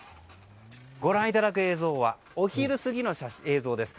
ご覧いただく映像はお昼過ぎの映像です。